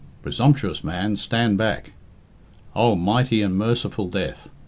Presumptuous man, stand back. Oh, mighty and merciful Death!